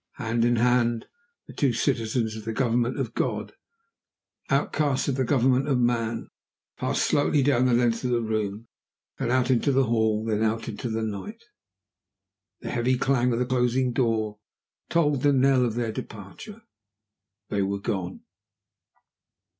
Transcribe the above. Hand in hand the two citizens of the Government of God outcasts of the government of Man passed slowly down the length of the room. Then out into the hall. Then out into the night. The heavy clang of the closing door tolled the knell of their departure. They were gone.